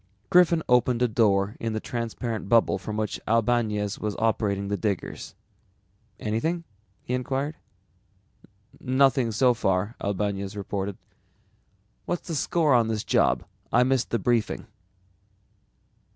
_Griffin opened a door in the transparent bubble from which Albañez was operating the diggers. "Anything?" he inquired. "Nothing so far," Albañez reported. "What's the score on this job? I missed the briefing."